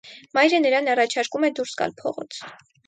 Մայրը նրան առաջարկում է դուրս գալ փողոց։